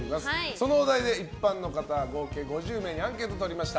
そのお題で一般の方合計５０名にアンケートとりました。